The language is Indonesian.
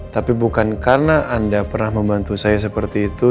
tapi bukan karena anda pernah membantu saya seperti itu